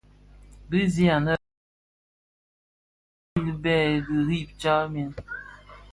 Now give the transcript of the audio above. Bi sig anë lè Bafia bomid bè terri tsamèn.